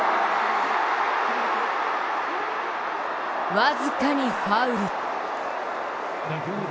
僅かにファウル。